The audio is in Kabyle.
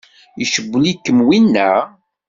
Icewwel-ikem winna?